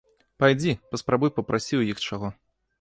Пайдзі, паспрабуй папрасі ў іх чаго.